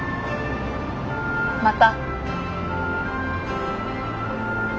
また。